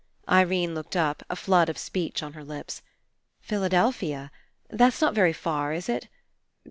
Irene looked up, a flood of speech on her lips. "Philadelphia. That's not very far, is it?